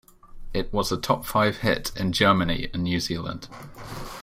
It was a top five hit in Germany and New Zealand.